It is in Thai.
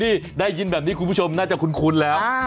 ได้ยินแบบนี้คุณผู้ชมน่าจะคุ้นแล้ว